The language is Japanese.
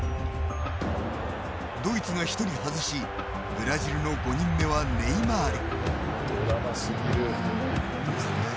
ドイツが１人外しブラジルの５人目はネイマール。